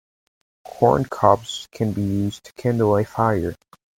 Corn cobs can be used to kindle a fire.